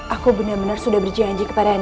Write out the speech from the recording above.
aku benar benar sudah berjanji kepada anda